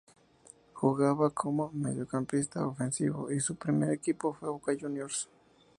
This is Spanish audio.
Jugaba como mediocampista ofensivo y su primer equipo fue Boca Juniors.